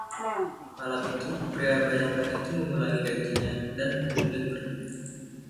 Malam itu, pria bayangan itu mengulangi janjinya dan kemudian pergi.